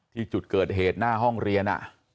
ที่จุดเกิดเหตุหน้าห้องเรียน